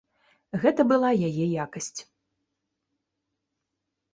Гэта была яе якасць.